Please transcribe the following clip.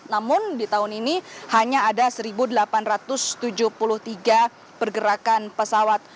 namun di tahun ini hanya ada satu delapan ratus tujuh puluh tiga pergerakan pesawat